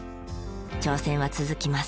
挑戦は続きます。